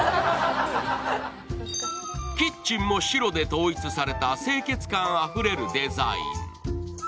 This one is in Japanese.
キッチンも白で統一された清潔感あふれるデザイン。